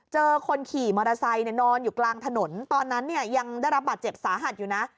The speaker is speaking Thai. คนขี่มอเตอร์ไซค์นอนอยู่กลางถนนตอนนั้นเนี่ยยังได้รับบาดเจ็บสาหัสอยู่นะ